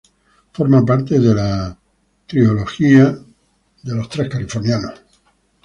Forma parte de la "Three Californias Trilogy.